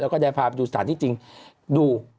แล้วก็จะพาไปดูสถานที่จริงดู